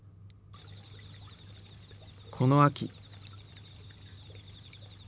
この秋。